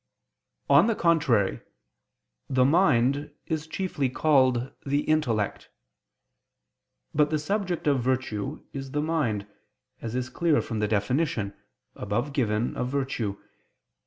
On the contrary, The mind is chiefly called the intellect. But the subject of virtue is the mind, as is clear from the definition, above given, of virtue (Q.